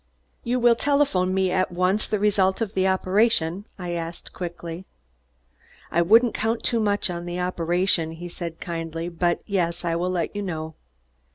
"You will telephone me at once the result of the operation?" I asked quickly. "I wouldn't count too much on the operation," he said kindly, "but I will let you know."